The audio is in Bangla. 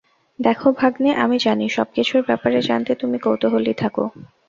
দেখো ভাগ্নে, আমি জানি সবকিছুর ব্যাপারে জানতে তুমি কৌতুহলী থাকো।